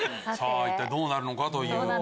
一体どうなるのかという。